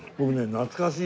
懐かしい？